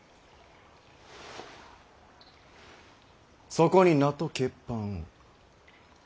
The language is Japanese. そこに名と血判を。